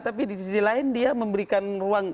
tapi di sisi lain dia memberikan ruang